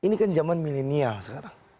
ini kan zaman milenial sekarang